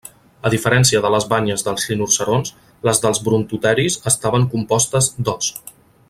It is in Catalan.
A diferència de les banyes dels rinoceronts, les dels brontoteris estaven compostes d'os.